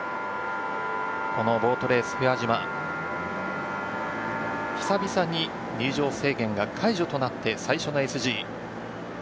このボートレース平和島、久々に入場制限が解除となって最初のＳＧ。